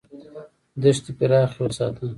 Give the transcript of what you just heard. دښتې پراخې وساته.